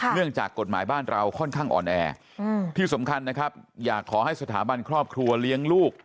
เนื่องจากกฎหมายบ้านเราค่อนข้างอ่อนแอที่สำคัญนะครับอยากขอให้สถาบันครอบครัวเลี้ยงลูก